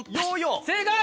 正解！